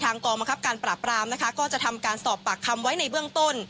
ทางกรมการปราบรามก็จะทำการสอบปากคำไว้ในเบื้องต้น